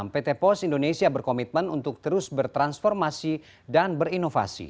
pt pos indonesia berkomitmen untuk terus bertransformasi dan berinovasi